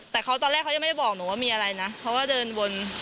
แต่เขาตอนแรกเขายังไม่ได้บอกหนูว่ามีอะไรนะเขาก็เดินวน